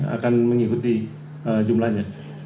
akan mengikuti jumlahnya